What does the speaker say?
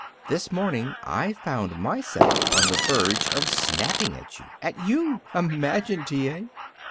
This morning I found myself on the verge of snapping at you. At you! Imagine, T. A.!"